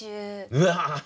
うわ！